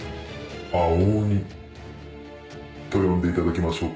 「青鬼」と呼んでいただきましょうか。